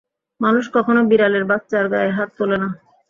মানুষ কখনো বিড়ালের বাচ্চার গায়ে হাত তোলে না।